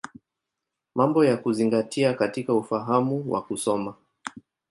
Mambo ya Kuzingatia katika Ufahamu wa Kusoma.